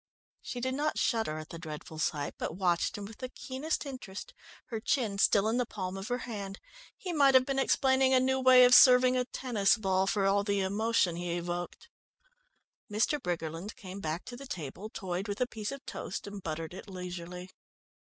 She did not shudder at the dreadful sight, but watched him with the keenest interest, her chin still in the palm of her hand. He might have been explaining a new way of serving a tennis ball, for all the emotion he evoked. Mr. Briggerland came back to the table, toyed with a piece of toast and buttered it leisurely.